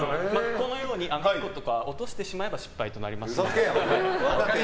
このように落としてしまえば失敗となります。